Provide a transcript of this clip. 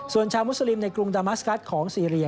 ส่วนชาวมุสลิมในกรุงดามัสกัสของซีเรีย